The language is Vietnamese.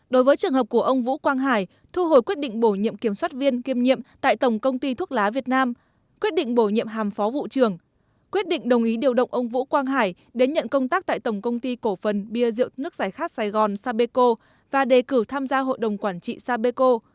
đối với trường hợp của ông vũ quang hải thu hồi quyết định bổ nhiệm kiểm soát viên kiêm nhiệm tại tổng công ty thuốc lá việt nam quyết định bổ nhiệm hàm phó vụ trưởng quyết định đồng ý điều động ông vũ quang hải đến nhận công tác tại tổng công ty cổ phần bia rượu nước giải khát sài gòn sapeco và đề cử tham gia hội đồng quản trị sapeco